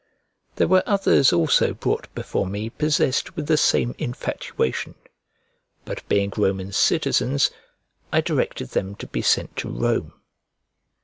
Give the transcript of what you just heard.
There were others also brought before me possessed with the same infatuation, but being Roman citizens, I directed them to be sent to Rome.